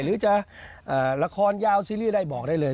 หรือจะละครยาวซีรีส์ได้บอกได้เลย